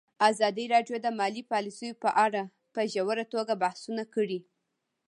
ازادي راډیو د مالي پالیسي په اړه په ژوره توګه بحثونه کړي.